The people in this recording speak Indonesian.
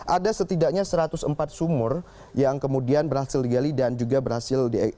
ada setidaknya satu ratus empat sumur yang kemudian berhasil digali dan juga berhasil di